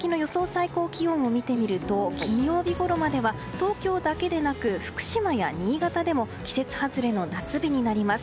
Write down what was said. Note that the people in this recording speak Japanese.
最高気温を見てみると金曜日ごろまでは東京だけでなく福島や新潟でも季節外れの夏日になります。